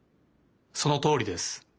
そのとおりです。